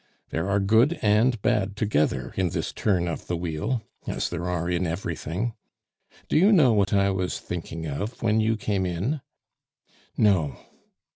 There are good and bad together in this turn of the wheel as there are in everything. Do you know what I was thinking of when you came in?" "No."